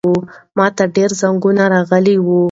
ماته ډېر زنګونه راغلي وو.